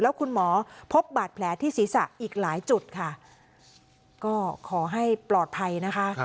แล้วคุณหมอพบบาดแผลที่ศีรษะอีกหลายจุดค่ะก็ขอให้ปลอดภัยนะคะ